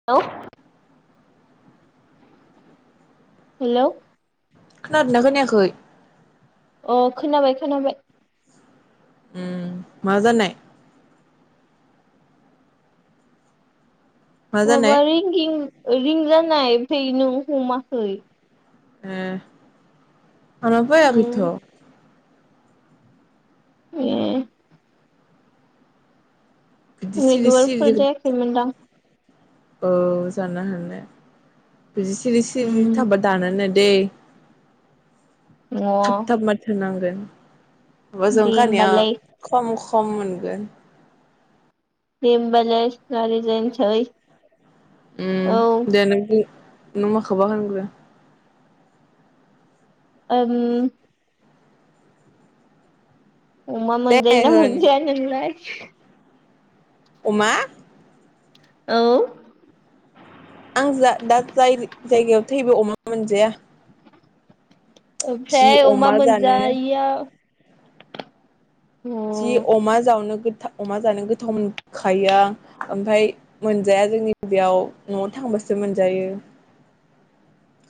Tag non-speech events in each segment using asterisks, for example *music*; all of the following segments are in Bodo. हेल हेल' खोनादोंना खोनायाखै? अ खोनाबाय खोनाबाय उम मा जानाय मा जानाय माबा रिंगिं रिं जानाय आमफ्राय नों हमाखै ए उम आबायखैथ' अ बिदि सिरि नेटवार्कफोर सिरि जायाखैमोनदां औ जानो हानो बिदि सिरि सिरि उम थाबबा दानोनो दैे थाब थाब अ माथो नांगोन बब जजों दे खानाया होमबालाय खम खम मोनगोन *unintelligible* औ दे नों नों माखौबा होनग्रो ओ अमा दे मोनजायो ना होन मोनजाया नोंलाय? अमा औ आं जा दा जाय जायगायाव थैबो अमा मोनजाया जि ओमफ्राय अमा जानो मोनजायया न जि अमा जावनो गोथा - अमा जानो गोथाव मोनखायो आं ओमफ्राय मोनजाया जोंनि बेयाव न'आव थांबासो मोनजायो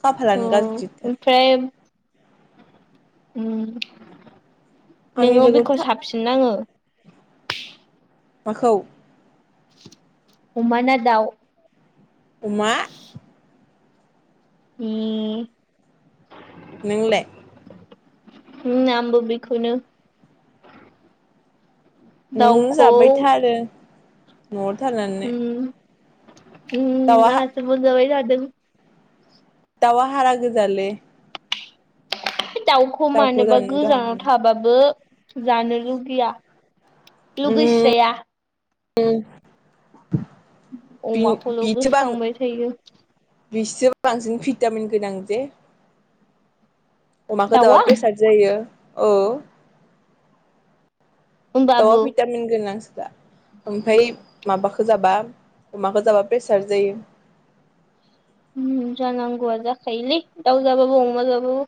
खाफालानो गाज्रिथार फ्राय उम आंनि नोङो लोगोआव बेखौ था साबसिन नाङो माखौ अमाना दाउ? अमा उम नोंलाय आमबो बेखौनो नों दाउखौ जाबाय था आरो न'आव थानानै उम दाउआ उम आंहासो मोनदांबाय थादों दावा हारा गोजालै दाउखौ मानोबा जानो गाहाम गोजानाव मोनो थाबा बो जानो लुगैया लुगैस्राया। उम बि अमाखौल गोसोखांबाय थायो। बिसोर बांसिन भिटामिन गोनां जे अ मा दाउआ दाब फेसाद जायो अ दाउ या होमबाबो भिटामिन गोनांसो दा। आमफ्राय माबाखौ जाबा अमाखौ जाबा प्रेसार जायो। जानांगौआ जाखायोलै दाउ जाबाबो अमा जाबाबो।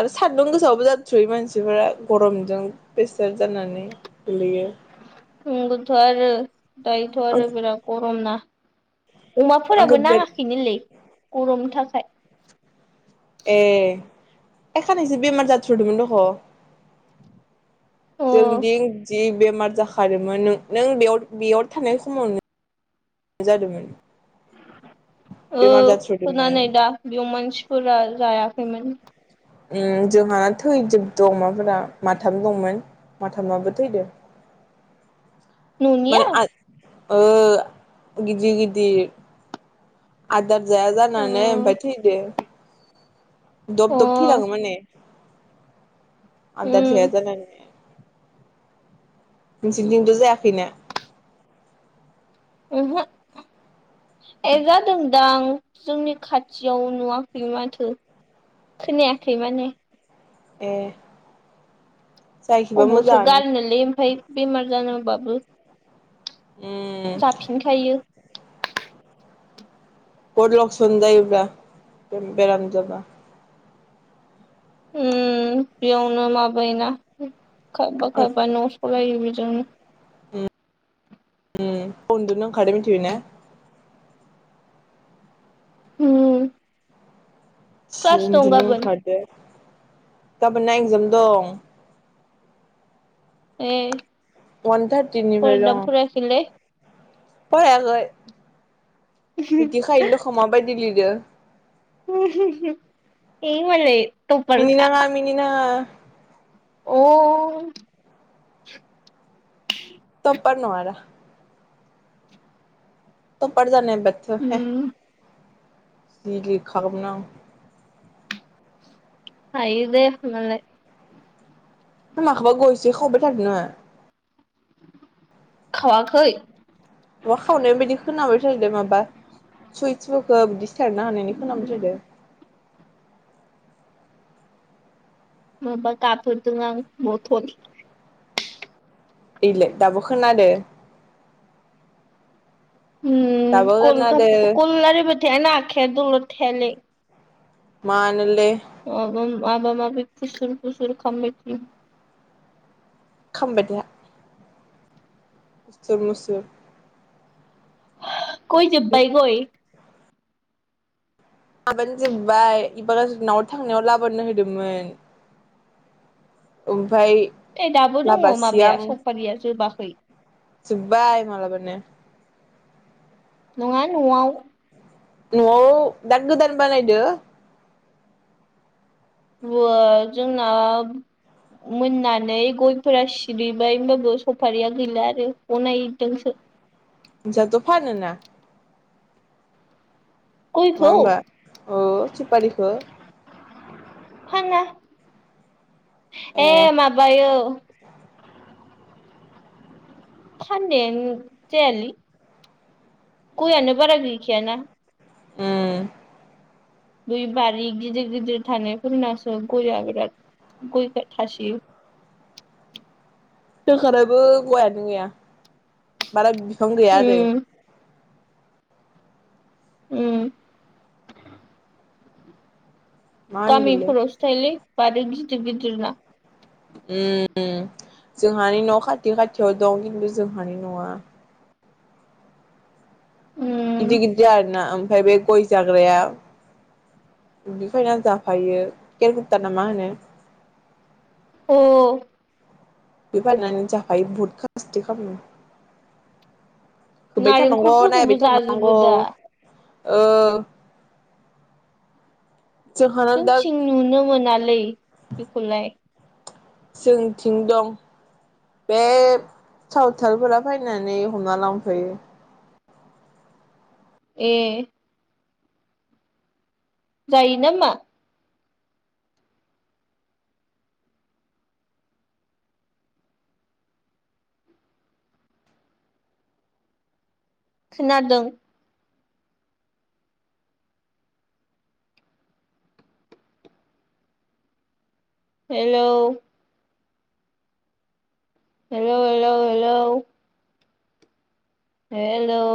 आरो सानदुं गोसायावबो जाथ्रायो मानसिफोरा गरमजों प्रेसार जानानै गोलैयो। नंगौथ आरो दायोथ' आरो बिराद गरम ना? आंखौ अमाफोराबो बिराद नाङाखैनोलै गरमनि थाखाय ए एखानायसो बेमार जाथदोंमोन दह अ जों दि जि बेमार जाखादोमोन। नों नों बेयाव बेयाव थानाय समावनो। जादोंमोन औ बेमार खोनानै जाथ्र'दोंमोन दा बेयाव मानसिफोरा जायाखैमोन। जोंहाना थैजोबदों अमाफोरा माथाम दंमोन माथामाबो थैदो। *inaudible* माने ओ गिदिर गिदिर आदार जाया अ जानानै उम ओमफफ्राय थैदों। ओहो दब दब थैलाङो माने आदार जाया जाना नोंसिरनि दिनथ जायाखैना? उमहो ए जादोंदां जोंनि खाथियाव, नुवाखै माथो। खोनायाखै माने ए जायाखैबा अबावथो मोजाङानो गारनोलै आमफ्राय बेमार जादोंबाबो उम जाफिनखायो गट लक्सन जायोब्ला बेराम जाबा उम बेयावनो माबायोना, खावफा आं खावफा न सलायो बेजोंनो उ उनन्दुनो ओंखारादो मिथिबाय ना होम सि उमन्दुनो गाबोन ओंखारदों। गाबोन ना एगजाम दं। ए वान थारटिनिफ्राय फरायदोंना दं। फरायाखैलै फरायाखै मिथिखायनो दख माबायदि लिरो। *unintelligible* ए मालाय मिनि टपारखा नाङा मिनि नांङा अ तफफोर नवार तपार जानाय बायदिबाथाय रिदि खालामनो आं हायो दे मालाय माखौबा गयसो खावबाय थादों नोङो? खावाखै माबा खावनाय बायदि खोनाबायथारदो माबा सुइसफोरखो बिदि सेरनो हानायनि खोनाबायथादो। मबा गाबहोदों आं बथल ओइलाय दाबो खोनादो। उम दाबो कलखा खोनादो कल लारायबायथाय आंना आखाया दलर थायालै। मानोलै? *unintelligible* माबा माबि फुसुर फुसुर खामबाय। खाम बायदिया जेबो ल'स जाया गय जोबबाय गय माबानो जोबबाय इबागाज न'आव थांनायाव लाबोनो होदोंमोन आमफ्राय एह दाबो दङ माबाया सपारिया जोबाखै जोबबाय मालाबानो नङा न'आव न'आव दा गोदान बानायदो बा जोंना मोननानै गयफोरा सिरिबाय होमबाबो सफारिया गैला आरो गनायदोंसो। नोंस्राथ' फानोना? नङा गयखौ होमबा ओ सुपारिखो फाना ए माबायो फाननायानो जायालै गयानो बारा गैखायाना। ओम बै बारि गिदिर गिदिर थानायफोरनासो गया बिराद गयफोर थासोयो। जोहानाबो गयानो गैया बारा बिफां गैया आरो उम ओम मा होनगोनलै गामिफोरावसो थायोलै बारि गिदिर गिदिर ना उम जोंहानि न' खाथि खाथियाव दं खिन्थु जोंहानि नङा उम गिदिर गिदिर आरोना ओमफ्राय बे गय जाग्राया बिफायना जाफायो केेर गुपटार ना मा होनो अ बे फाननानै जाफायो बहुत *unintelligible* खामो होबाय थानांगौ नायबाय नारेंखलफोरखौबो जाजोबो थानांगौ दा ओ जोंहानाव दा जोंनिथिं नुनो मोनालै बेखौलाय। जोंथिं दं बे सावथालफोरा फैनानै हमना लांफैयो। ए जायो नामा? खोनादों hello hello hello hello hello